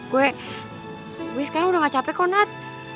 gue gue sekarang udah gak capek kok nat